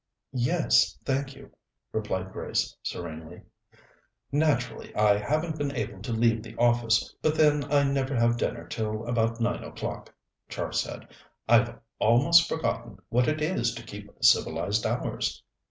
"Yes, thank you," replied Grace serenely. "Naturally, I haven't been able to leave the office, but then I never have dinner till about nine o'clock," Char said. "I've almost forgotten what it is to keep civilized hours."